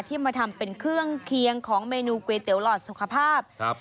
มาทำเป็นเครื่องเคียงของเมนูก๋วยเตี๋หลอดสุขภาพครับ